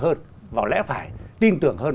hơn vào lẽ phải tin tưởng hơn